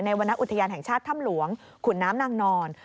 วรรณอุทยานแห่งชาติถ้ำหลวงขุนน้ำนางนอน